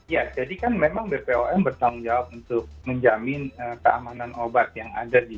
ya jadi kan memang bpom bertanggung jawab untuk menjamin keamanan obat yang ada di